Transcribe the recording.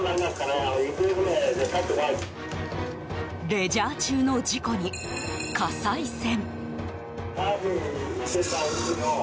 レジャー中の事故に、火災船。